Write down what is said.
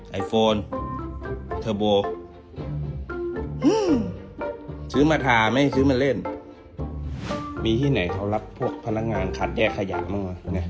ไอโฟนเทอร์โบซื้อมาทาไม่ให้ซื้อมาเล่นมีที่ไหนเขารับพวกพนักงานขัดแยกขยะบ้าง